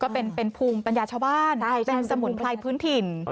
เป็นภูมิปัญญาชาวบ้านเป็นสมุนไพรพื้นถิ่น